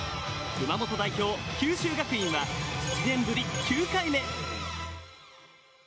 熊本代表・九州学院は７年ぶり９回目。